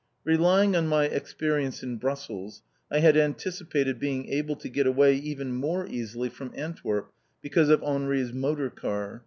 Relying on my experience in Brussels, I had anticipated being able to get away even more easily from Antwerp, because of Henri's motor car.